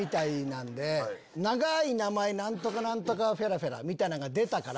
長い名前何とか何とかフェラフェラみたいなんが出たから。